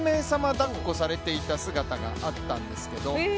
だっこされていた姿があったんですけど。